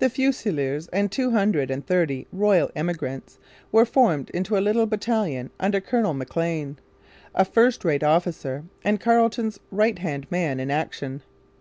The Fusiliers and two hundred and thirty 'Royal Emigrants' were formed into a little battalion under Colonel Maclean, a first rate officer and Carleton's right hand man in action.